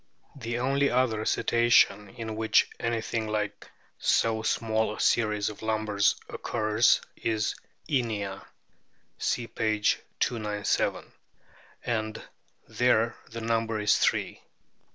The only other Cetacean in which anything like so small a series of lumbars occurs is Inia (see p. 297), and there the number is three.